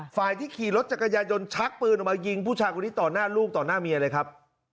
ฝ่ายที่ขี่รถจักรยายนชักปืนออกมายิงผู้ชายคนนี้ต่อหน้าลูกต่อหน้าเมียเลยครับ